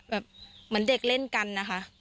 แบบเหมือนเด็กเล่นกันอ่ะค่ะ